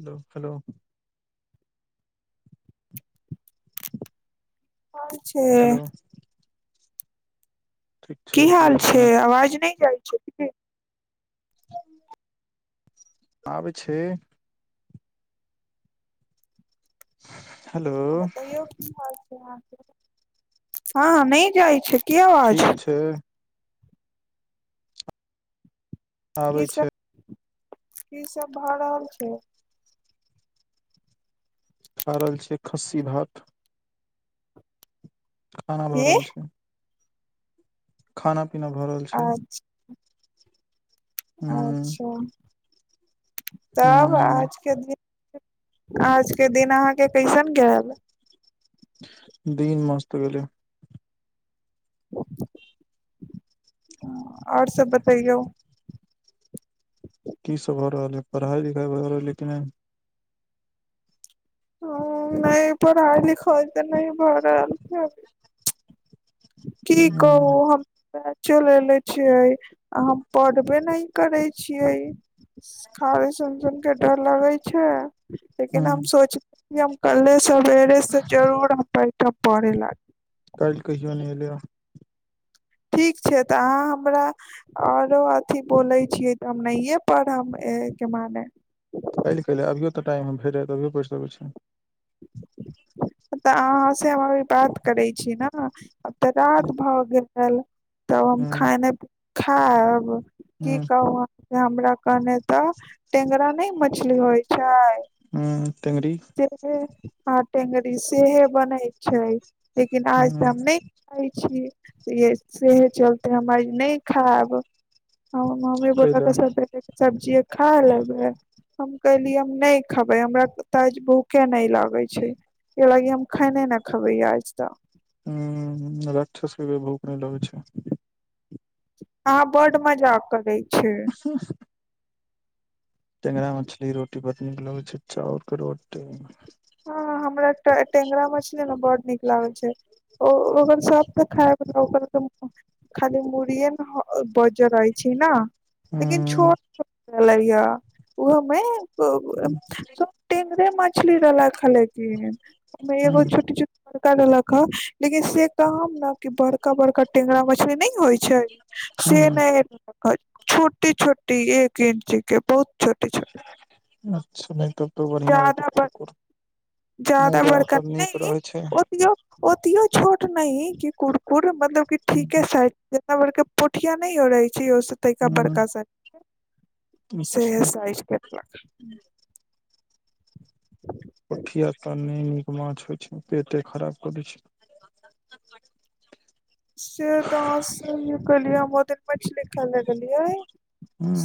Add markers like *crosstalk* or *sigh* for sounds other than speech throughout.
Hello hello एल छै hello की हाल छै आवाज नहि जाइ छै की आबै छै *inaudible* बतैयौ की हाल छै अहां के हँ नहि जाइ छै। की आवाज ठीक छै। आबै छै कीसभ कीसभ भए रहल छै खा रहल छियै खस्सी भात खाना भऽ रहल छै खाना पीना भऽ रहल छै अच्छा हूँ अच्छा तब हूँ आज के दिन आज के दिन अहाँके कैसन गैल दिन मस्त गेलै आओर सब बतैयौ की सब भऽ रहल यै पढ़ाइ लिखाइ भऽ रहल यै कि नहि हँ नहि पढ़ाई लिखाई तऽ नहि भऽ रहल छै अभी की कहु हूँ हम तऽ चल एले छियै आ हम पढ़बे नहि करय छियै खाली सुन सुन के डर लगै छै लेकिन हूँ हम सोचले कि हम कल्हे सवेरे से जरूर हम बैठब पढ़े ला काल कहियो नै एलै यै ठीक छै, तऽ अहाँ हमरा औरो अथि बोलै छियै हम नहिये पढ़म ए के मनेे काल्हि कैला अभियो तऽ टाइम भेट जात अभिओ पढ़ि सकैत छी। तऽ अहाँ से हम अभी बात करै छी। न तऽ राति भऽ गेल तब हम हूँ खाना पिना खायब की हूँ कहू हमरा कहने तऽ टेंगरा नहि मछली होइ छै। हँ सेहे आ टेंगरी सेहे बनै छै। लेकिन आज हूँ तऽ हम नहि खाय छियै। यै सेहे चलते हम आई नहि खायब हमर मम्मी बोल कैला लकै सबरेके सब्जीये खा लेबै हम कहलीय हम नहि खेबै हमरा त त आज भूखे नहि लागे छै, एहि लागी हम खाने न खेबै आज त ह राक्षस सब के भूख नहि लगै छै। अहां बड मजाक करई अ ह टेंगरा मछली रोटी बड़ नीक लगै छै, चाउरके रोटी हँ, हमरा ट टेंगरा मछली न बड नीक लागै छै ओ ओकर सब त खायला ओकर खाली मुड़िए न बज्जर रहइ छै। न हँ रहल या ओहोमे टेंगरे मछली रहलक ठ लेकिन ओमे एगो हूं छोट छोट बड़का रलक ह लेकिन से कहब न कि बड़का बड़का टेंगरा मछली न होइ छै। से हूं नहि छोटी छोटी एक इंच के बहुत छोटी छोटी अच्छा नहि त बढ़िया रहतै ज्यादा बड़ कुरकुर जादा मुरा ओकर नीक रहै छै। ओतीयो छोट नहि कि कुरकुर मतलब क ठीके साइ बरका पोठिया नहि रहै छैओस तइका हूं बरका सा सेहे अच्छा साइज के रलक पोठिया त नहि नीक माछ होइ छै पेटे खराब कदै छै। *unintelligible* से त गलिया मदन मछली खाय लगलियिया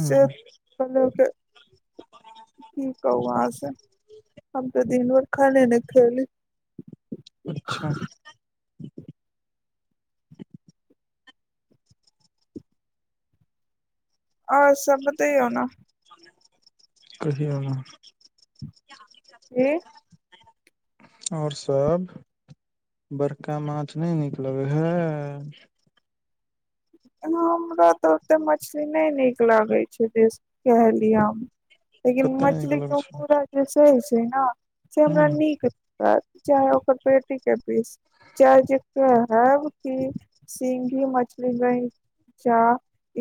से मतलब की कहू अहाँ स हम त दीनभर खाने न खेली अच्छा और सब बतैयौ न कहिआ न ए और सभ बड़का माछ नहि नीक लगै हए हमरा त ओते मछली नहि नीक लागै छै। जेस कहलिय हम लेकिन कते नीक मछली लगे के छै मूरा जे सह छै ने से हूं हमरा नीक लाग चाहे ओकर पेटी के पीस चाहे जेक सब की सिंगि मछली नहि चा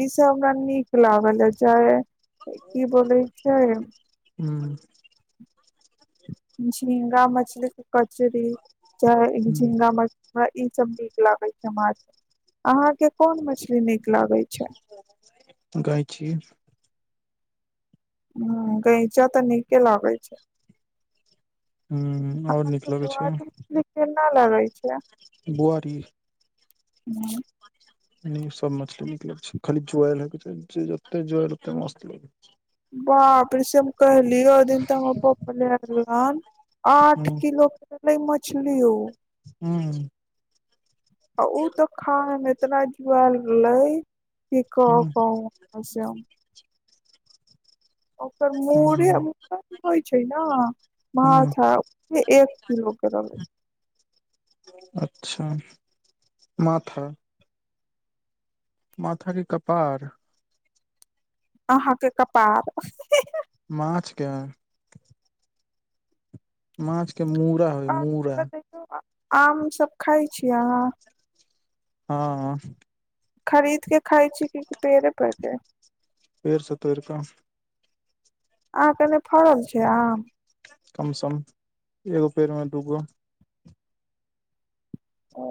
ई सबरा नीक लागल अ चाहे की बोलै छै। ह्म झींगा मछली के कचरी चाहे हूं झींगा म हमरा ई सब नीक लागे छै। माछ मे अहाँके कोन मछली नीक लागे छै। गंइचि ह गैंचा त नीके लागै छै। ह्म और नीक लगै छै। न लगै छै। बुआरी ह सब मछली निकलग छै, खाली जुएल होइके छै जे जते जुआल ओते मस्त लग बाप रे सेम कहली ओ दिन तऽ हमर लै गेलन आठ हूँ किलो के ल मछली हो ह्म आ उ त खान एतना जुआल रहले की कह हूँ कहू से हम ओकर मुरे हूँ होइ छै न हूँ माथा एक किलो के रलै अच्छा माथा माथा कि कपार अहाँके कपार ही ही माछके माछके मूड़ा होई मूड़ा आमसभ खाइ छी अहाँ हँ खरीदके खाइ छी कि पेड़े परके पेड़ स तोइरक आहां कने फरल छै, आम कम सम एगो पेड़मे दूगो ओ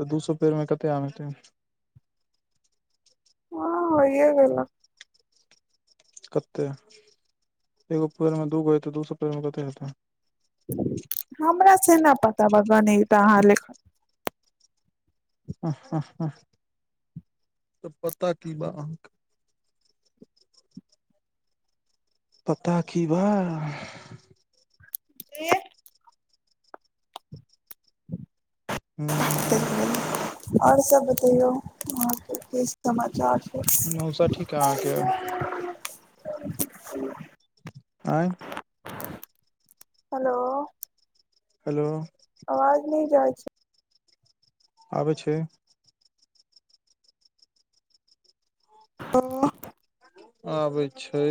तऽ दू सो पेड़मे कते आम हेतै हँ होइए गेलक कते एगो पेड़ मे दूगो है त दू सौ पेड़ मे कते हेतै हमरा से ना पता बा बनई तऽ अहाँ लेखन ह ह ह तऽ पता की बा अहाँके पता की बा गेह हू और सब बतैयौ अहाँके कि समाचार छै। मौसा ठीक यै अहाँके *unintelligible* आँय हेलो हेलो आवाज नहि जाइ छै आबै छै हलो आबै छै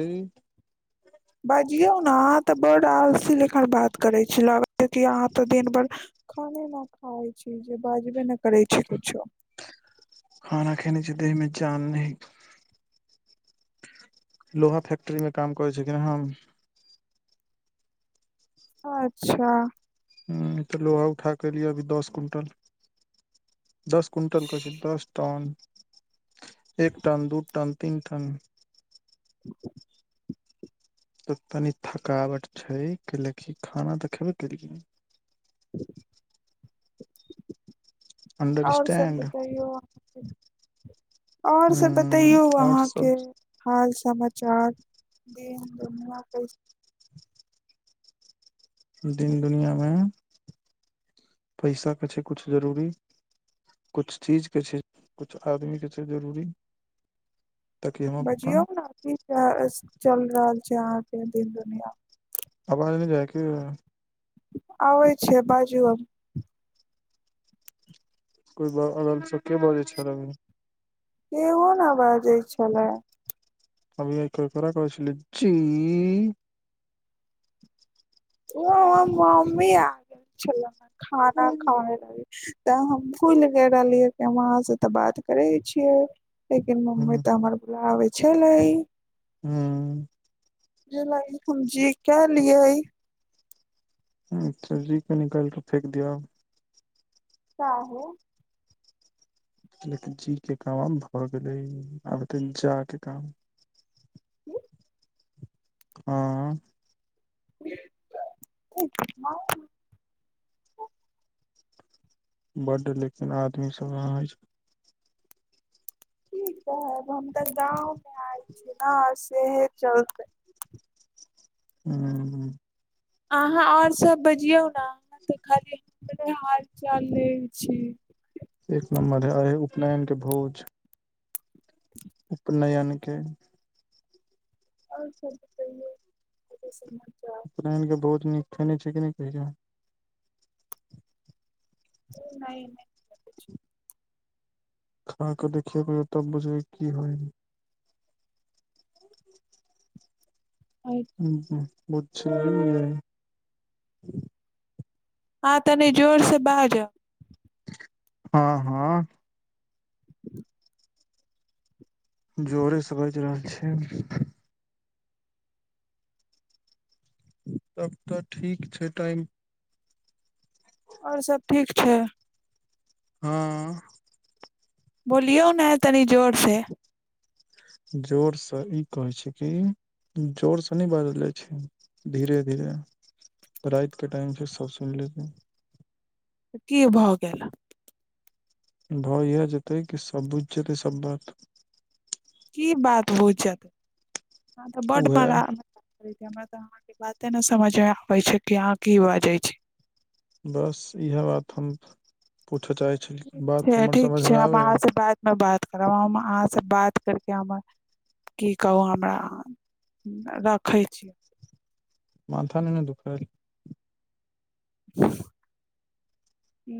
बाजियौ न अहाँ तऽ बड्ड आलसी लेखन बात करै छी लगै कि अहाँ तऽ दिनभरि खाने न खाइ छी जे बाजबे नहि करै छी कुछो खाना खेने छी देही में जान नहिं लोहा फैक्ट्रीमे काम करै छी कि नै हम अच्छा ह तऽ लोहा उठा कऽ एलियै या अभी दस क्विंटल दस क्विंटल कहै छी दस टन एक टन दू टन तीन टन तऽ तनी थकावट छै कैलकि खाना तऽ खेबे केलियै और सब अंडरस्टैंड बतैयौ अहांके और सब बतैयौ हूं और अहाँके सब हाल समाचार दिन दुनिया कैसे दिन दुनिया मे पैसा क छै कुछ जरूरी किछु चीजके छै किछु आदमीके छै जरूरी ताकि हम बजियौ अपन न की चल रहल छै अहाँके दिन दुनिया मे आबाज नहि जाययै कि आबै छै बाजू आब कोइ ब अगल सँ के बजै छल अभी केहो न बाजै छलै अभीये केकरा कहै छलीये जी ओ हमर मम्मी आ गेल छलै खाना खाय लागी तऽ हम भूल गेल रहलियै कि हम अहाँ से तऽ बात करै छियै लेकिन मम्मी हूँ तऽ हमर बोलाबै छलै हुँ जलैकुंजी कैलियऐ अच्छा जी के निकालि कऽ फेेक दियो काहे लेकिन जी के काम आब भऽ गेलै आबत जा के काम *unintelligible* हँ *unintelligible* बड्ड लेकिन आदमीसभ अहाँ कि कहब हम तऽ गाँवमे आयल छियै न सेहे चलते *inaudible* हू ह्म अहाँ और सभ बजियौ न अहाँ तऽ खाली हमरे हाल चाल लैछी एक नम्बर है आय है उपनयनके भोज उपनयन के और सब बतैयौ उपनयन के भोज नीक खेने छि कि नै कहियो नइ नइ नइ कुछो खा कऽ देखिया कहियो तब बुझबै की होय हइ नहि हू बुझलियै आहाँ तनि जोर से बाजअ हँ हँ जोरेसँ बाइज रहल छी तब तऽ ठीक छै टाइम और सभ ठीक छै हँ बोलियौ ने तनी जोर से जोरसँ ई कहै छी कि जोरसँ नै बाजल जाय छै धीरे धीरे राइत के टाइम छै सब सुइन लेतै की भ गेला भ इएह जेतै कि सभ बुझि जेतै सभ बात बुझ जेतै अहां तऽ बड़ा उहे बड़ा अहाँके बाते न समझ मे आबै छै, कि अहाँ की बाजै छी बस इएह बात हम पूछऽ चाहै छली ठीक कि बात छै हमर ठीक छै समझमे हम आबै यै अहाँसँ बादमे बात करब हम अहाँसँ बात करके हमर की कहू हमरा रखै छी। मथा नहि ने दुखायल *inaudible*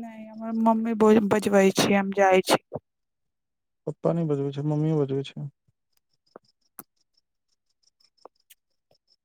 नहि हमर मम्मी बजबै छै हम जाइ छी। पप्पा नी बजबै छै मम्मीये बजबै छै